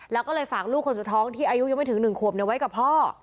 แล้วก็เลยฝากลูกคนสุดท้องที่อายุยังไม่ถึง๑ขวบไว้กับพ่อ